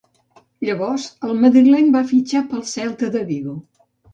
Llavors, el madrileny va fitxar pel Celta de Vigo.